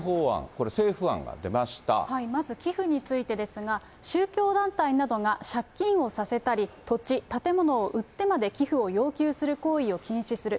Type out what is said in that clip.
これ、まず寄付についてですが、宗教団体などが借金をさせたり、土地、建物を売ってまで寄付を要求する行為を禁止する。